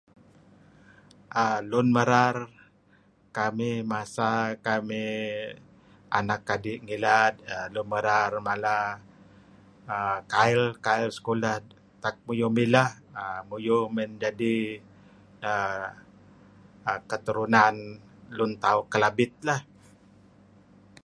Lun Merar masa kamih anak adi' ngilad, lun merar nakaruh mala kail-kail sekolah. Tak muyuh mileh muyuh menjadi' uhm keterunan tauh Lun Kelabit lah.